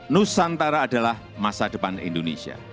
nusantara adalah masa depan indonesia